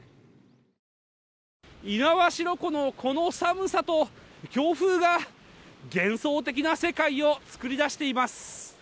猪苗代湖のこの寒さと強風が幻想的な世界を作り出しています。